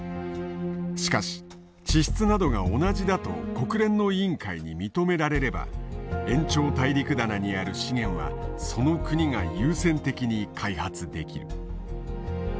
しかし地質などが同じだと国連の委員会に認められれば延長大陸棚にある資源はその国が優先的に開発できる。